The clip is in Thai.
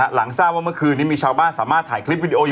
หลังทราบว่าเมื่อคืนนี้มีชาวบ้านสามารถถ่ายคลิปวิดีโออยู่